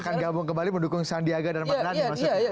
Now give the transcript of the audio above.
akan gabung kembali mendukung sandiaga dan madalani maksudnya